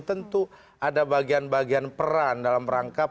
tentu ada bagian bagian peran dalam rangka